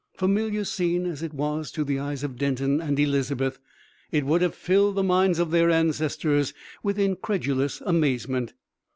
Familiar scene as it was to the eyes of Denton and Elizabeth, it would have filled the minds of their ancestors with incredulous amazement.